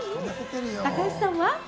高橋さんは？